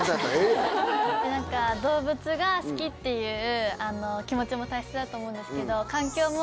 動物が好きっていう気持ちも大切だと思うんですけど。